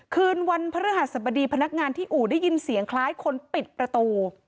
คืนวันพระฤหัสบดีพนักงานที่อู่ได้ยินเสียงคล้ายคนปิดประตู